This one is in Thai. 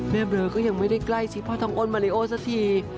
แม่เบอร์ก็ยังไม่ได้ใกล้ชิงพ่อทองอ้อนมาเราร์สที